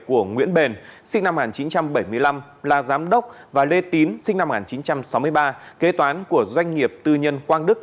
của nguyễn bền sinh năm một nghìn chín trăm bảy mươi năm là giám đốc và lê tín sinh năm một nghìn chín trăm sáu mươi ba kế toán của doanh nghiệp tư nhân quang đức